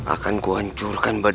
akan ku hancurkan badanmu